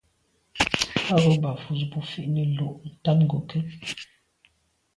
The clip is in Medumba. Á rə̌ bā mfū zə̄ bú fí nə̌ lǔ’ tɑ̂mə̀ ngokɛ́t.